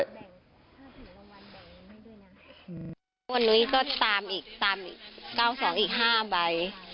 วันนี้ก็ตาม๙๒อีก๕ใบ